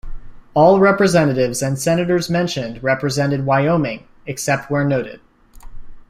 All representatives and senators mentioned represented Wyoming except where noted.